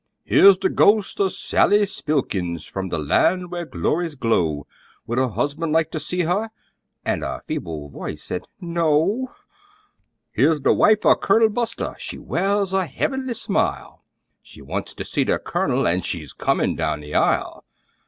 "Here's the ghost of Sally Spilkins, from the lan' whar' glories glow: Would her husband like to see her?" (An' a feeble voice said, "No!") "Here's the wife of Colonel Buster; she wears a heavenly smile: She wants to see the Colonel, an' she's comin' down the aisle!"